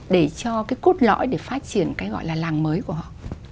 để cho cái cốt lõi để phát triển cái gọi là làng mới của họ